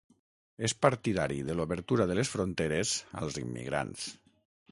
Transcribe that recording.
És partidari de l'obertura de les fronteres als immigrants.